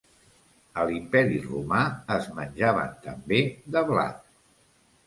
A l'Imperi Romà es menjaven també de blat.